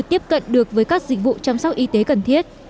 dẫn được với các dịch vụ chăm sóc y tế cần thiết